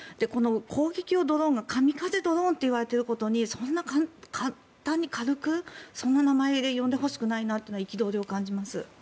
攻撃用ドローンがカミカゼドローンといわれていることにそんな簡単に軽くそんな名前で呼んでほしくないなという憤りを感じます。